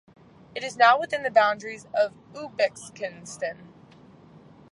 It is now within the boundaries of Uzbekistan.